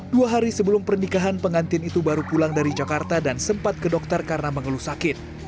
dua hari sebelum pernikahan pengantin itu baru pulang dari jakarta dan sempat ke dokter karena mengeluh sakit